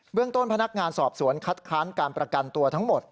เรื่องต้นพนักงานสอบสวนคัดค้านการประกันตัวทั้งหมด